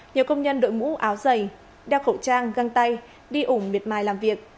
nhiều công nhân đội mũ áo dày đeo khẩu trang găng tay đi ủng miệt mài làm việc